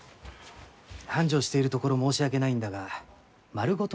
繁盛しているところ申し訳ないんだが丸ごと